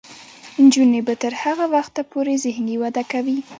نجونې به تر هغه وخته پورې ذهني وده کوي.